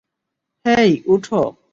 হেই, উঠো।